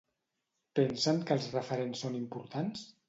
Pensen que els referents són importants?